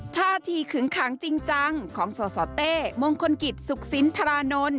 ท่าทีขึงขังจริงจังของสสเต้มงคลกิจสุขสินทรานนท์